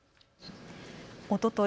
おととい